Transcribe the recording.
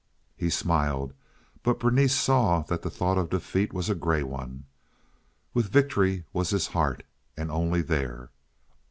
He smiled, but Berenice saw that the thought of defeat was a gray one. With victory was his heart, and only there.